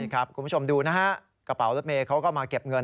คุณผู้ชมดูนะฮะกระเป๋ารถเมย์เขาก็มาเก็บเงิน